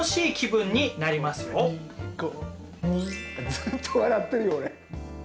ずっと笑ってるよ俺。